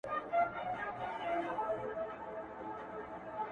قسم کومه په اودس راپسې وبه ژاړې!